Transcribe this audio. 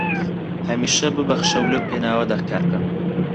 هەمیشە ببەخشە و لەو پێناوەدا کار بکە